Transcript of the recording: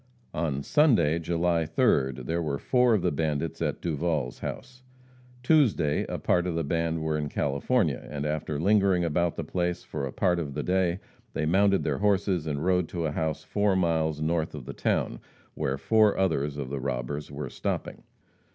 On Sunday, July 3rd, there were four of the bandits at Duval's house. Tuesday a part of the band were in California, and after lingering about the place for a part of the day, they mounted their horses and rode to a house four miles north of the town, where four others of the robbers were stopping.